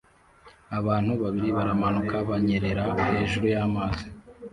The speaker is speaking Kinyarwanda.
Abantu babiri baramanuka banyerera hejuru y'amazi